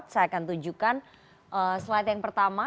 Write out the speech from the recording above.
saya akan tunjukkan slide yang pertama